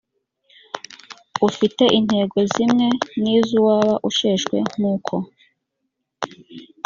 ufite intego zimwe n iz uwaba usheshwe nk uko